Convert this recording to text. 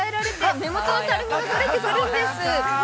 目元のたるみがとれてくるんです。